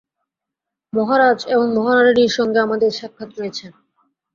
মহারাজ এবং মহারাণীর সঙ্গে আমাদের সাক্ষাৎ রয়েছে।